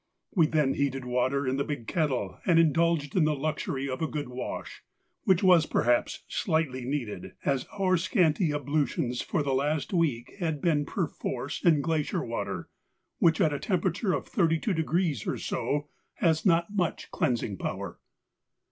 We then heated water in the big kettle and indulged in the luxury of a good wash, which was perhaps slightly needed, as our scanty ablutions for the last week had been perforce in glacier water, which at a temperature of 32° or so, has not much cleansing power.